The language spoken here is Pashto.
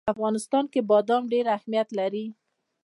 په افغانستان کې بادام ډېر اهمیت لري.